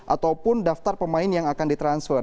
ataupun daftar pemain yang akan ditransfer